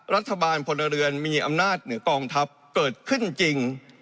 พลเรือนมีอำนาจเหนือกองทัพเกิดขึ้นจริง